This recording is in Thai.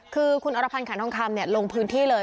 คือคุณอรพันธ์ขันทองคำลงพื้นที่เลย